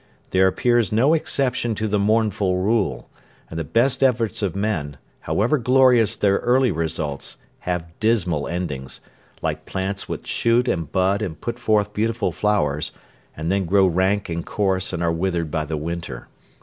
There appears no exception to the mournful rule, and the best efforts of men, however glorious their early results, have dismal endings, like plants which shoot and bud and put forth beautiful flowers, and then grow rank and coarse and are withered by the winter.